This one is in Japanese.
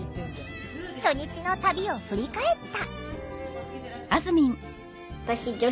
初日の旅を振り返った。